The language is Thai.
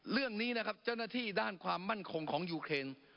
เรื่องนี้นะครับเจ้าหน้าที่ด้านความมั่นคงของยูเครน